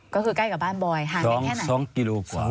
ก็คือใกล้กับบ้านบอยห่างแค่แค่ไหน